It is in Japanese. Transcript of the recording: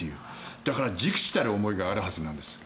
だから忸怩たる思いがあるはずなんです。